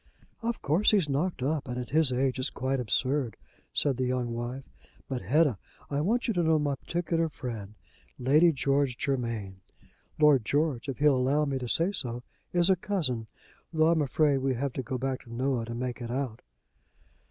"Of course he's knocked up, and at his age it's quite absurd," said the young wife. "But Hetta, I want you to know my particular friend Lady George Germain. Lord George, if he'll allow me to say so, is a cousin, though I'm afraid we have to go back to Noah to make it out."